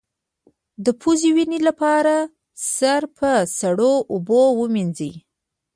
د پوزې وینې لپاره سر په سړو اوبو ووینځئ